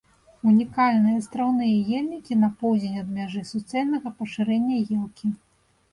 Унікальныя астраўныя ельнікі на поўдзень ад мяжы суцэльнага пашырэння елкі.